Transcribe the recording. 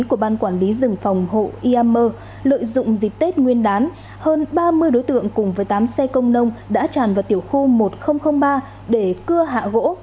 của ban quản lý rừng phòng hộ iamer lợi dụng dịp tết nguyên đán hơn ba mươi đối tượng cùng với tám xe công nông đã tràn vào tiểu khu một nghìn ba để cưa hạ gỗ